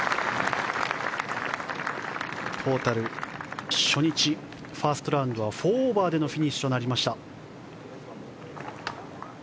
トータル、ファーストラウンドは４オーバーでのフィニッシュとなりました。